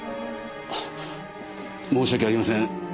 あ申し訳ありません。